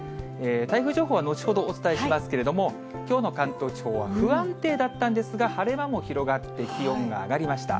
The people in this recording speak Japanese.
台風情報は後ほど、お伝えしますけれども、きょうの関東地方は、不安定だったんですが、晴れ間も広がって、気温が上がりました。